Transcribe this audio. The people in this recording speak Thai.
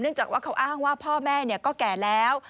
จากว่าเขาอ้างว่าพ่อแม่ก็แก่แล้ว